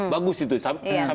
bagus itu sampai situ